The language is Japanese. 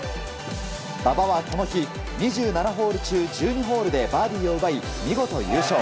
馬場はこの日２７ホール中１２ホールでバーディーを奪い見事優勝。